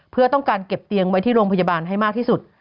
เพื่อต้องการเก็บเตียงไว้ที่โรงพยาบาลให้มากที่สุด